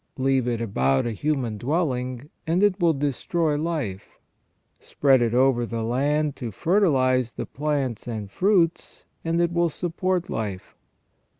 Leave it about a human dwelling, and it will destroy life. Spread it over the land to fertilize the plants and fruits, and it will support life.